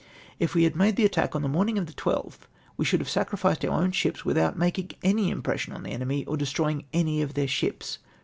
"If we had made the attack on the moi uing of the 12th, we should have sacrificed our own ships without making any impression on the enemy, or destroying any of their ships."